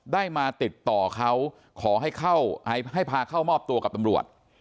ได้มาติดต่อเขาขอให้พาเข้ามอบตัวกับตำรวจ